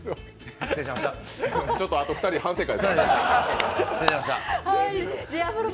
ちょっとあとで２人、反省会。